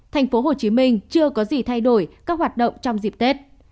thành phố hồ chí minh chưa có gì thay đổi các hoạt động trong dịp tết